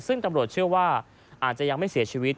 ซึ่งตำรวจเชื่อว่าอาจจะยังไม่เสียชีวิต